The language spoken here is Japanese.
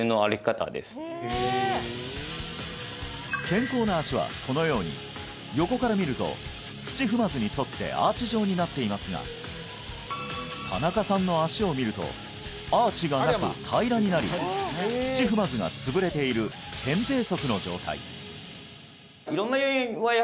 健康な足はこのように横から見ると土踏まずに沿ってアーチ状になっていますが田中さんの足を見るとアーチがなく平らになり土踏まずが潰れているの状態